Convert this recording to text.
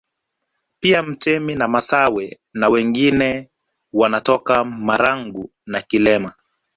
Pia mtei na masawe na wengine wanatoka Marangu na Kilema